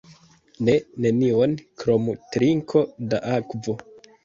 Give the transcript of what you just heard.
Ne, nenion, krom trinko da akvo.